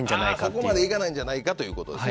そこまでいかないんじゃないかということですね。